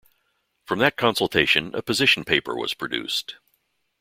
From that consultation a position paper was produced.